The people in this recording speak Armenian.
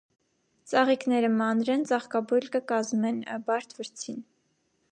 Ծաղիկները մանր են, ծաղկաբոյլ կը կազմ են (բարդ վրձին)։